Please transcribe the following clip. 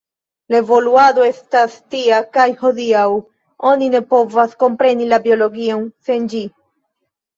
La evoluado estas tia kaj hodiaŭ oni ne povas kompreni la biologion sen ĝi.